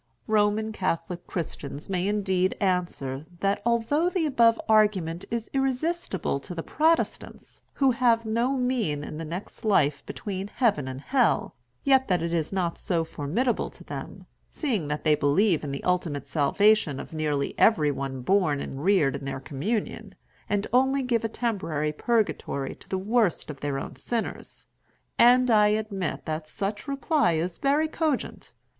Roman Catholic Christians may indeed answer that, although the above argument is irresistible to the Protestants, who have no mean in the next life between Heaven and Hell, yet that it is not so formidable to them, seeing that they believe in the ultimate salvation of nearly every one born and reared in their communion, and only give a temporary purgatory to the worst of their own sinners. And I admit that such reply is very cogent.